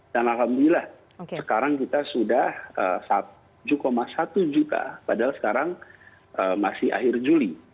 dan alhamdulillah sekarang kita sudah tujuh satu juta padahal sekarang masih akhir juli